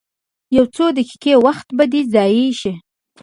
یو څو دقیقې وخت به دې ضایع شي.